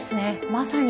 まさに。